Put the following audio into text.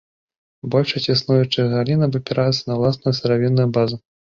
Большасць існуючых галін абапіраюцца на ўласную сыравінную базу.